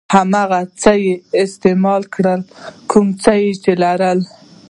هماغه څه استعمال کړه کوم څه چې لرئ.